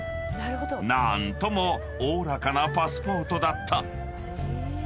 ［何ともおおらかなパスポートだった］